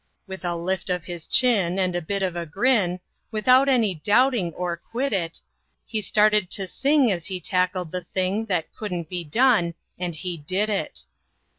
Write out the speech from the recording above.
With a lift of his chin and a bit of a grin, Without any doubting or quiddit, He started to sing as he tackled the thing That couldn't be done, and he did it.